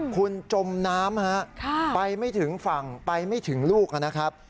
คุณจมน้ำไปไม่ถึงฝั่งไปไม่ถึงลูกนะครับ